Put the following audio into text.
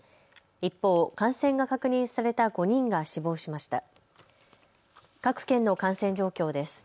一方、感染が確認された５人が死亡しました。